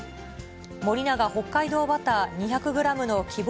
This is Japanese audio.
森永北海道バター２００グラムの希望